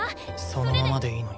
そのままでいいのに。